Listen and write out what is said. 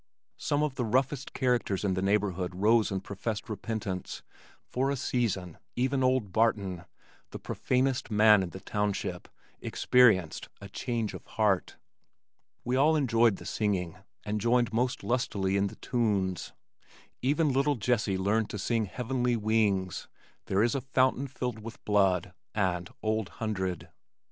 Some of the roughest characters in the neighborhood rose and professed repentance, for a season, even old Barton, the profanest man in the township, experienced a "change of heart." We all enjoyed the singing, and joined most lustily in the tunes. Even little Jessie learned to sing Heavenly Wings, There is a Fountain filled with Blood, and Old Hundred.